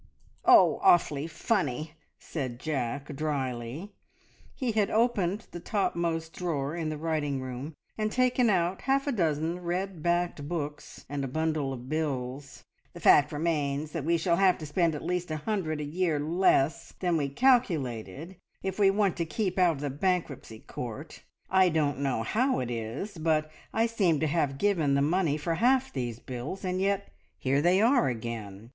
"Oh, awfully funny!" said Jack drily. He had opened the topmost drawer in the writing table and taken out half a dozen red backed books and a bundle of bills. "The fact remains that we shall have to spend at least a hundred a year less than we calculated if we want to keep out of the Bankruptcy Court. I don't know how it is, but I seem to have given the money for half these bills, and yet here they are again!